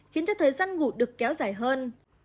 khiến cho thời gian ngủ được kéo dài hơn